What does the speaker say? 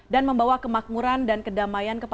dan membawa kemakmuran dan kedamaian